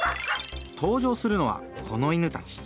登場するのはこの犬たち。